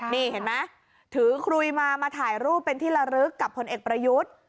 นี่เห็นไหมถือครุยมามาถ่ายรูปเป็นที่ละลึกกับพลเอกประยุทธ์